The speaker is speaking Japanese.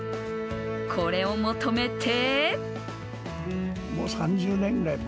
これを求めて